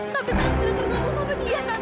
tapi saya sudah berkomunikasi sama dia tante